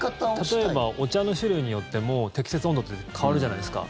例えばお茶の種類によっても適切温度って変わるじゃないですか。